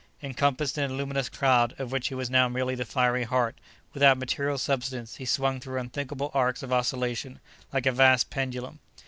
Encompassed in a luminous cloud, of which he was now merely the fiery heart, without material substance, he swung through unthinkable arcs of oscillation, like a vast pendulum.